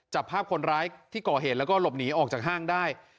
จับภาพคนร้ายที่ก่อเหตุแล้วก็หลบหนีออกจากห้างได้